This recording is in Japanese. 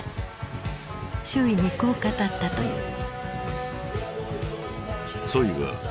周囲にこう語ったという。